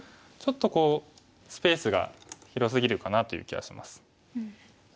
ちょっとこうスペースが広すぎるかなという気がします。